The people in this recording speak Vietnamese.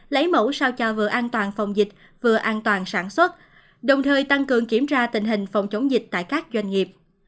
lấy mẫu sao cho vừa an toàn phòng dịch vừa an toàn sản xuất đồng thời tăng cường kiểm tra tình hình phòng chống dịch tại các doanh nghiệp